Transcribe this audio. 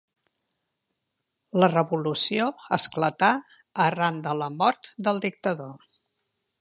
La revolució esclatà arran de la mort del dictador.